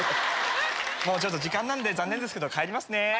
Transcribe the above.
もうちょっと時間なんで残念ですけど帰りますね。